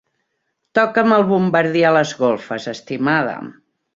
Toca'm el bombardí a les golfes, estimada.